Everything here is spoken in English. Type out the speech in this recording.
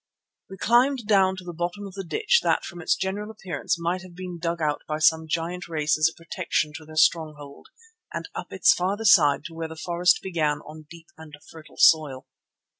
We climbed down to the bottom of the ditch that from its general appearance might have been dug out by some giant race as a protection to their stronghold, and up its farther side to where the forest began on deep and fertile soil.